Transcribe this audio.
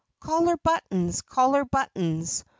"Collar buttons! Collar buttons!